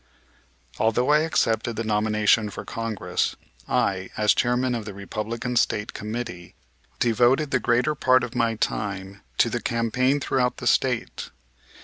Although I accepted the nomination for Congress, I as chairman of the Republican State Committee, devoted the greater part of my time to the campaign throughout the State.